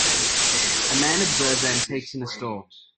A man observes antiques in a store.